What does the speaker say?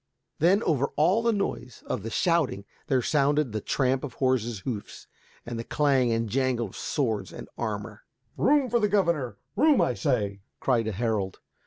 Then over all the noise of the shouting there sounded the tramp of horses' hoofs and the clang and jangle of swords and armor. "Room for the governor. Room, I say," cried a herald.